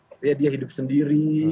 artinya dia hidup sendiri